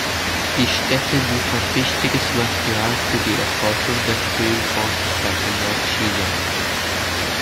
Die Stätte liefert wichtiges Material für die Erforschung der frühen Bronzezeit in Nordchina.